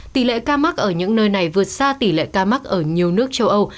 tỷ lệ ca mắc ở những nơi này vượt xa tỷ lệ ca mắc ở nhiều nước châu âu